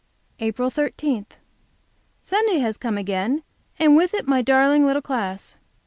APRIL 13. Sunday has come again, and with it my darling little class!